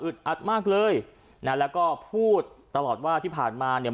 อัดมากเลยนะแล้วก็พูดตลอดว่าที่ผ่านมาเนี่ย